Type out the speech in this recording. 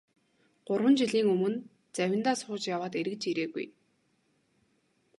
Гурван жилийн өмнө завиндаа сууж яваад эргэж ирээгүй.